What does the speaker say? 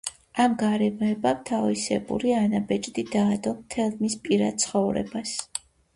ამ გარემოებამ თავისებური ანაბეჭდი დაადო მთელ მის პირად ცხოვრებას.